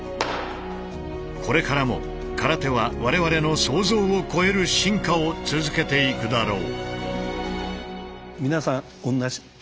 これからも空手は我々の想像を超える進化を続けていくだろう。